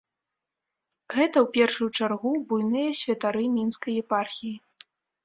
Гэта, у першую чаргу, буйныя святары мінскай епархіі.